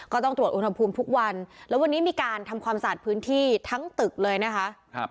ก็ต้องตรวจอุณหภูมิทุกวันแล้ววันนี้มีการทำความสะอาดพื้นที่ทั้งตึกเลยนะคะ